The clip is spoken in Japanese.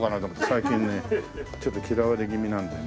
最近ねちょっと嫌われ気味なんでね。